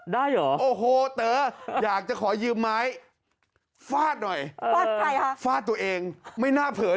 ได้เหรอโอ้โหเต๋ออยากจะขอยืมไม้